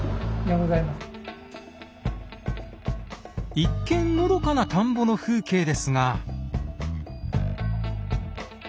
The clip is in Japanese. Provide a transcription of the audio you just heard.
一見のどかな田んぼの風景ですが。